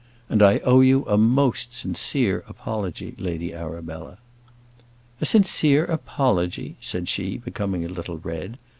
"And I owe you a most sincere apology, Lady Arabella." "A sincere apology!" said she, becoming a little red.